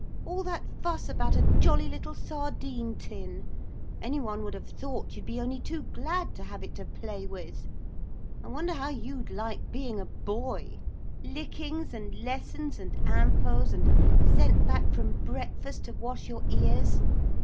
All that fuss about a jolly little sardine tin. Any one would have thought you'd be only too glad to have it to play with. I wonder how you'd like being a boy? Lickings, and lessons, and impots, and sent back from breakfast to wash your ears.